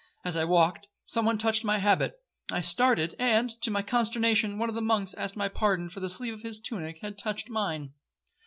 As I walked, some one touched my habit. I started, and, to my consternation, one of the monks asked my pardon for the sleeve of his tunic having touched mine.